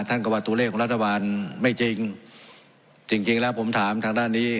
ท่านก็ว่าตัวเลขของรัฐบาลไม่จริงจริงจริงแล้วผมถามทางด้านนี้